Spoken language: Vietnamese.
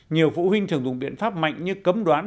nhiều phụ huynh thường dùng biện pháp mạnh như cấm đoán